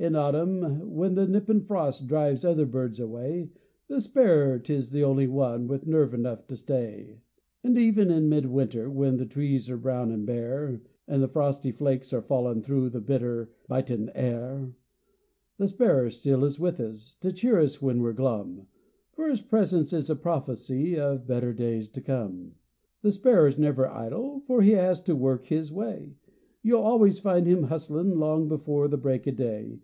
In autumn, when th' nippin' frosts drive other birds away, Th' sparrer is th' only one with nerve enough t' stay. 'Nd even in midwinter, when th' trees 're brown 'nd bare, 'Nd th' frosty flakes 're fallin' thro' th' bitter bitin' air, Th' sparrer still is with us t' cheer us when we're glum, Fer his presence is a prophecy of better days t' come. Th' sparrer's never idle, fer he has t' work his way; You'll always find him hustlin' long before th' break o' day.